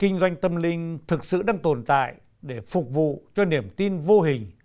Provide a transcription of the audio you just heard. kinh doanh tâm linh thực sự đang tồn tại để phục vụ cho niềm tin vô hình